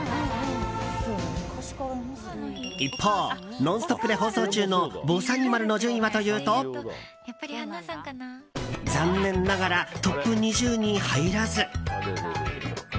一方「ノンストップ！」で放送中のぼさにまるの順位はというと残念ながらトップ２０に入らず。